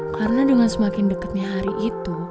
karena dengan semakin deketnya hari itu